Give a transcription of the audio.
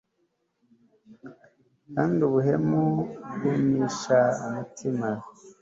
kandi ubuhemu bwumisha umutima